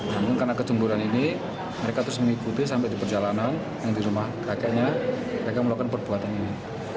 namun karena kecemburan ini mereka terus mengikuti sampai di perjalanan yang di rumah kakeknya mereka melakukan perbuatan ini